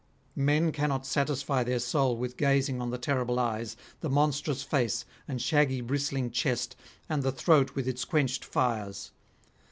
Men cannot satisfy their soul with gazing on the terrible eyes, the monstrous face and shaggy bristling chest, and the throat with its quenched fires.